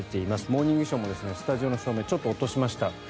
「モーニングショー」もスタジオの照明をちょっと落としました。